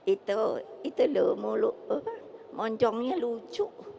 itu itu lho moncongnya lucu